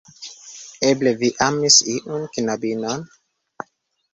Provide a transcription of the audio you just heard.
Eble vi amis iun knabinon?